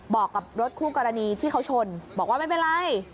บอกกับรถคู่กรณีที่เขาชนบอกว่าไม่เป็นไร